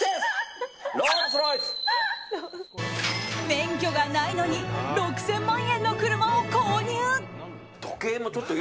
免許がないのに６０００万円の車を購入。